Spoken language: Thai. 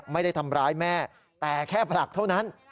ไม่ได้ทำร้ายแม่แต่แค่ผลักเท่านั้น